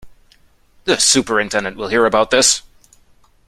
The superintendent will hear about this.